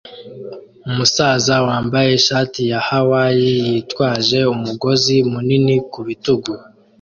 Umusaza wambaye ishati ya Hawayi yitwaje umugozi munini ku bitugu